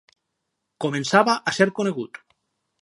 Començava a ser conegut.